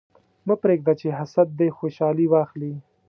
مه پرېږده چې حسد دې خوشحالي واخلي.